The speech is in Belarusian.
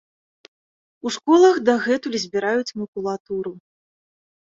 У школах дагэтуль збіраюць макулатуру.